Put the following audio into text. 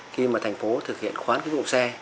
khi mà thành phố thực hiện khoán kinh phí dụng xe